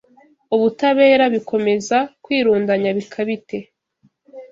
ubutabera bikomeza kwirundanya bikabite